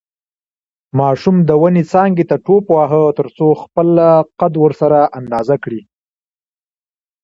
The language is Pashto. ماشوم د ونې څانګې ته ټوپ واهه ترڅو خپله قد ورسره اندازه کړي.